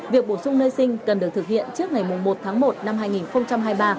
việc bổ sung nơi sinh cần được thực hiện trước ngày một tháng một năm hai nghìn hai mươi ba